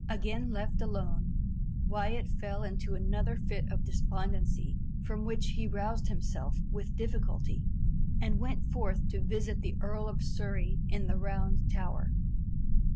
Again left alone, Wyat fell into another fit of despondency from which he roused himself with difficulty, and went forth to visit the Earl of Surrey in the Round Tower.